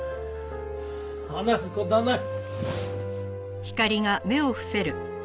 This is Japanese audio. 話す事はない。